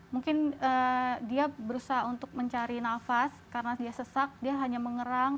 mungkin dia berusaha untuk mencari nafas karena dia sesak dia hanya mengerang